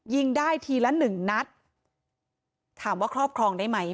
ยิงได้ทีละหนึ่งนัดถามว่าครอบครองได้ไหม